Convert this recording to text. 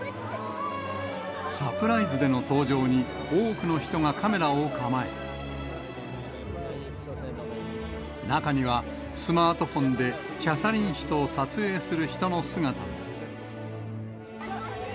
サプライズでの登場に、多くの人がカメラを構え、中には、スマートフォンでキャサリン妃と撮影する人の姿も。